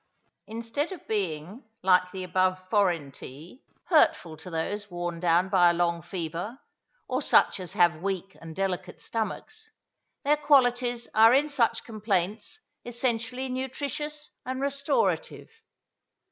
Instead of being, like the above foreign tea, hurtful to those worn down by a long fever, or such as have weak and delicate stomachs, their qualities are in such complaints essentially nutritious and restorative.